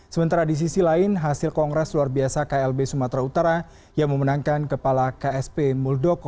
sementara di sisi lain hasil kongres luar biasa klb sumatera utara yang memenangkan kepala ksp muldoko